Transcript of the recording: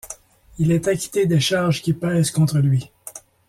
Il est acquitté des charges qui pèsent contre lui.